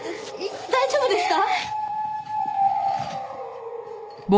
大丈夫ですか！？